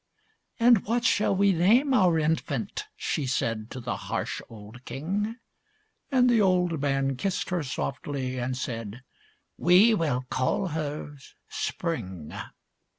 And what shall we name our infant?" She said to the harsh old king. And the old man kissed her softly, And said, "we will call her Spring."